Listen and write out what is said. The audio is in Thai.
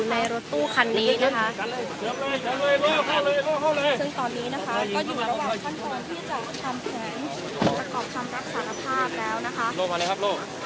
นะครับ